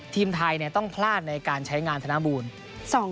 ทีมไทยต้องพลาดในการใช้งานธนบูล